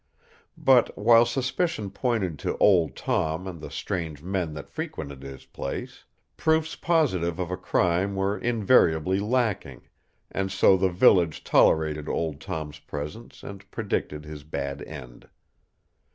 But while suspicion pointed to Old Tom and the strange men that frequented his place, proofs positive of a crime were invariably lacking, and so the village tolerated Old Tom's presence and predicted his bad end.